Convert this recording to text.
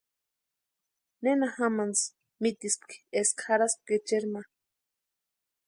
¿Nena jamantsï mitispki eska jarhaspka echeri ma?